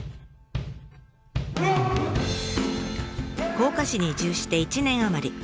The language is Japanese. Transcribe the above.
甲賀市に移住して１年余り。